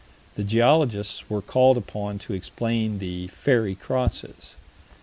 The geologists were called upon to explain the "fairy crosses."